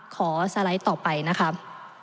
ขอสไลด์ต่อไปนะคะ